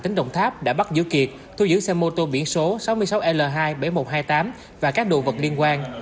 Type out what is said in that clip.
tỉnh đồng tháp đã bắt giữ kiệt thu giữ xe mô tô biển số sáu mươi sáu l hai bảy nghìn một trăm hai mươi tám và các đồ vật liên quan